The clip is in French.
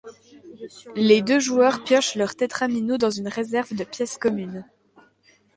Les deux joueurs piochent leur tetramino dans une réserve de pièces communes.